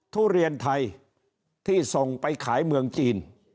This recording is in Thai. ทุเรียนไทยที่ส่งไปขายเมืองจีน